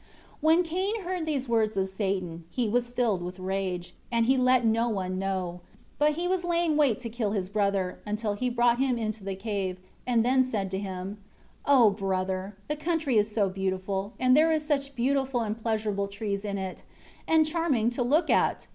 33 When Cain heard these words of Satan, he was filled with rage; and he let no one know. But he was laying wait to kill his brother, until he brought him into the cave, and then said to him: 34 "O brother, the country is so beautiful, and there are such beautiful and pleasurable trees in it, and charming to look at!